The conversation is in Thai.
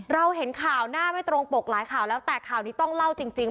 เราเห็นข่าวหน้าไม่ตรงปกหลายข่าวแล้วแต่ข่าวนี้ต้องเล่าจริง